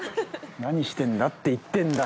何してんだって言ってんだよ！